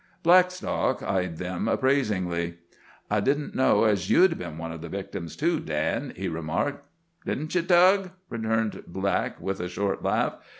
Blackstock eyed them appraisingly. "I didn't know as you'd bin one o' the victims too, Dan," he remarked. "Didn't ye, Tug?" returned Black with a short laugh.